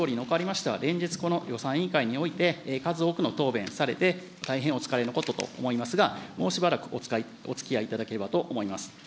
岸田総理におかれましては、連日、この予算委員会において数多くの答弁されて、大変お疲れのことと思いますが、もうしばらくおつきあいいただければと思います。